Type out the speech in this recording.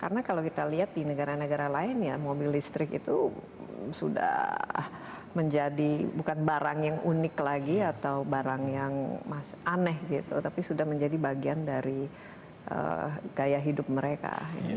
karena kalau kita lihat di negara negara lain ya mobil listrik itu sudah menjadi bukan barang yang unik lagi atau barang yang aneh gitu tapi sudah menjadi bagian dari gaya hidup mereka